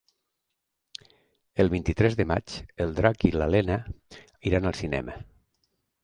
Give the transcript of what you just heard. El vint-i-tres de maig en Drac i na Lena iran al cinema.